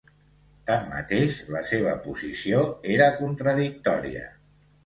Tanmateix, la seva posició era contradictòria.